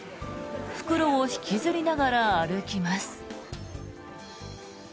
袋を引きずりながら歩きます。